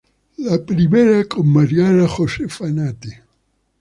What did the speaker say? La primera con Mariana Josefa Nate.